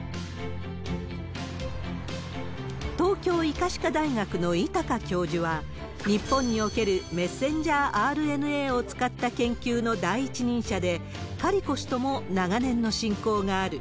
東京医科歯科大学の位高教授は、日本におけるメッセンジャーＲＮＡを使った研究の第一人者で、カリコ氏とも長年の親交がある。